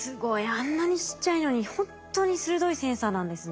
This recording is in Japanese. あんなにちっちゃいのにほんとに鋭いセンサーなんですね。